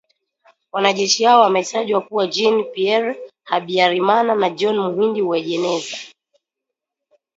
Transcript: Wanajeshi hao wametajwa kuwa Jean Pierre Habyarimana na John Muhindi Uwajeneza.